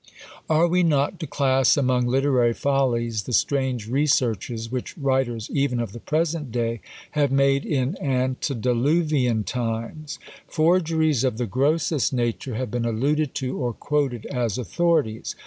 Are we not to class among literary follies the strange researches which writers, even of the present day, have made in Antediluvian times? Forgeries of the grossest nature have been alluded to, or quoted as authorities.